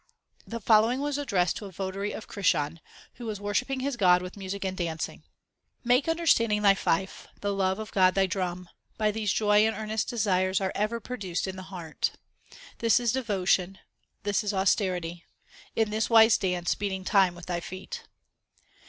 The following was addressed to a votary of Krishan, who was worshipping his god with music and dancing : Make understanding thy fife, the love of God thy drum ; By these joy and earnest desire are ever produced in the heart. This is devotion ; this is austerity In this wise dance beating time with thy feet.